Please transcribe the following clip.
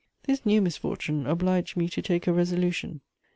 This new misfortune obliged me to take a resolution.